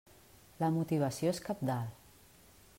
La motivació és cabdal.